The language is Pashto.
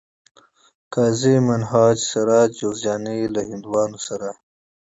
قاضي منهاج سراج جوزجاني له هندوانو سره